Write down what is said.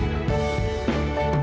ya memang bisa yuk